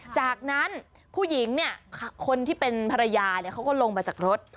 จากนั้นผู้หญิงเนี่ยคนที่เป็นภรรยาเขาก็ลงมาจากรถ